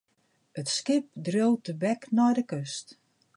It skip dreau tebek nei de kust.